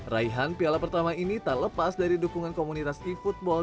raihan piala pertama ini tak lepas dari dukungan komunitas seafootball